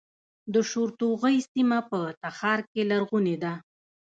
د شورتوغۍ سیمه په تخار کې لرغونې ده